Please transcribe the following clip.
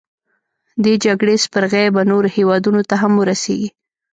دې جګړې سپرغۍ به نورو هیوادونو ته هم ورسیږي.